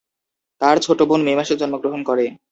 তার ছোট বোন মে মাসে জন্মগ্রহণ করে।